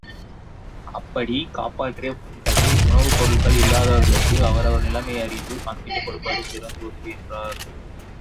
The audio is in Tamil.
அப்படிக் காப்பாற்றிய பொருள்களை உணவுப் பொருள்கள் இல்லாதவர்களுக்கு அவரவர் நிலைமை அறிந்து பங்கிட்டுக் கொடுப்பது சிறந்த உதவி என்றார்.